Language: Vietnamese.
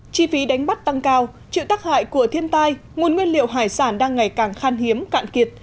chi phí đánh bắt tăng cao chịu tác hại của thiên tai nguồn nguyên liệu hải sản đang ngày càng khan hiếm cạn kiệt